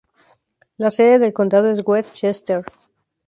La sede del condado es West Chester.